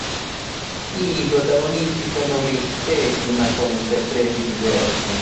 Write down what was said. I protagonisti sono gli stessi ma con interpreti diversi.